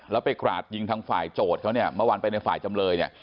แล้วไปกราดยิงทางฝ่ายโจทย์เขาเมื่อวานไปในฝ่ายจำเรย